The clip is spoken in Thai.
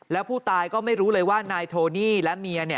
แล้วผู้ตายก็ไม่รู้เลยว่านายโทนี่และเมีย